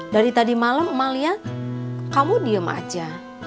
dari tadi malam emak lihat kamu diem aja